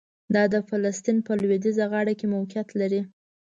دا د فلسطین په لویدیځه غاړه کې موقعیت لري.